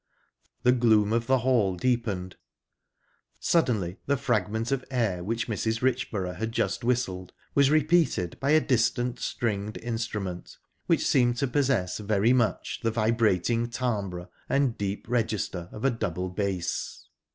The gloom of the hall deepened...Suddenly, the fragment of air which Mrs. Richborough had just whistled was repeated by a distant stringed instrument, which seemed to possess very much the vibrating timbre and deep register of a double bass.